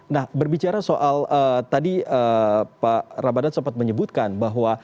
nah berbicara soal tadi pak ramadhan sempat menyebutkan bahwa